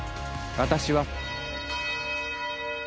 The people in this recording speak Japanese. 私は。